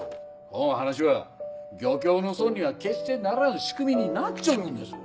こん話は漁協の損には決してならん仕組みになっちょるんです。